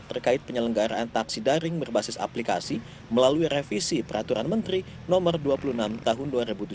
terkait penyelenggaraan taksi daring berbasis aplikasi melalui revisi peraturan menteri no dua puluh enam tahun dua ribu tujuh belas